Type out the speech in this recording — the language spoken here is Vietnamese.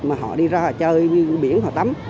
mà họ đi ra chơi như biển họ tắm